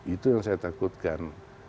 itu yang saya takutkan